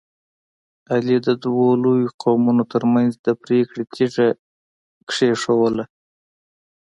علي د دوو لویو قومونو ترمنځ د پرېکړې تیږه کېښودله.